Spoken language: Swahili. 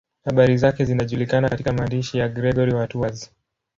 Habari zake zinajulikana katika maandishi ya Gregori wa Tours.